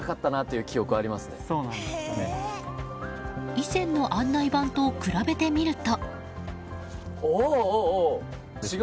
以前の案内板と比べてみると。